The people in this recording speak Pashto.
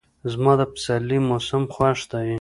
زما د سپرلي موسم خوښ دی.